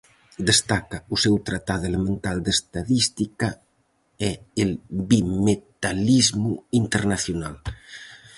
Destaca o seu Tratado elemental de estadística e El bimetalismo internacional.